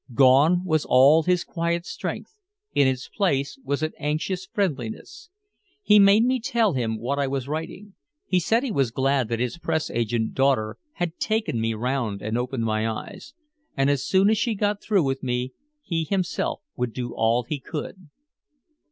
Gone was all his quiet strength, in its place was an anxious friendliness. He made me tell him what I was writing. He said he was glad that his press agent daughter had taken me 'round and opened my eyes. And as soon as she got through with me he himself would do all he could.